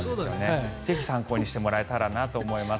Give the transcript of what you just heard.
ぜひ参考にしてもらえたらなと思います。